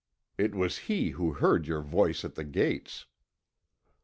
It was he who heard your voice at the gates."